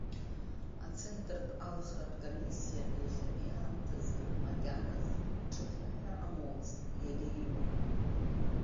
Ацентртә алхратә комиссиа иахьатәи аамҭазы макьаназ ҽыԥныҳәа амоуцт, иагьаиуам.